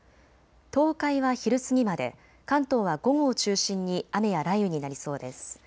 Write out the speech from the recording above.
東海は昼過ぎまで、関東は午後を中心に雨や雷雨になりそうです。